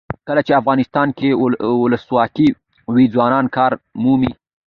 کله چې افغانستان کې ولسواکي وي ځوانان کار مومي.